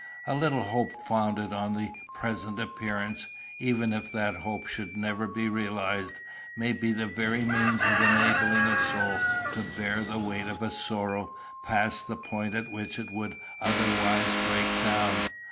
A little hope founded on a present appearance, even if that hope should never be realised, may be the very means of enabling a soul to bear the weight of a sorrow past the point at which it would otherwise break down.